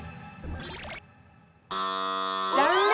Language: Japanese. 残念。